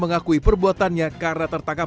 mengakui perbuatannya karena tertangkap